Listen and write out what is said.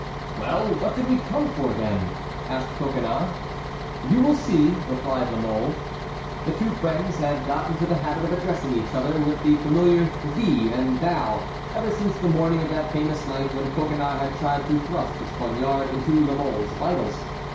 "Well, what did we come for, then?" asked Coconnas. "You will see," replied La Mole. The two friends had got into the habit of addressing each other with the familiar "thee" and "thou" ever since the morning of that famous night when Coconnas had tried to thrust his poniard into La Mole's vitals.